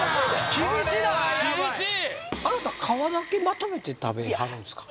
厳しいあなた皮だけまとめて食べはるんですか？